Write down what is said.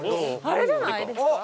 あれじゃないですか？